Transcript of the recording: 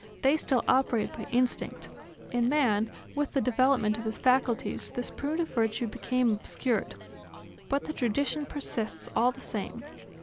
They still operate by instinct; in man, with the development of his faculties, this primitive virtue became obscured, but the tradition persists all the same.